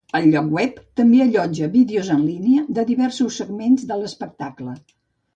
El lloc web també allotja vídeos en línia de diversos segments de l'espectacle.